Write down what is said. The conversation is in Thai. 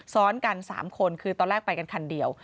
ซ้อนกัน๓คนคือตอนแรกไปกันคันเดียว